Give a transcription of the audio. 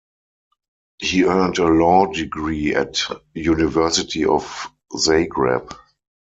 He earned a law degree at University of Zagreb.